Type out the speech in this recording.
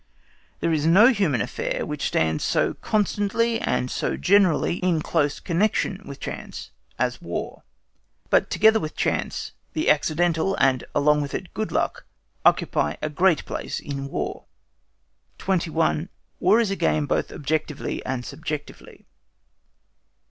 There is no human affair which stands so constantly and so generally in close connection with chance as War. But together with chance, the accidental, and along with it good luck, occupy a great place in War. 21. WAR IS A GAME BOTH OBJECTIVELY AND SUBJECTIVELY.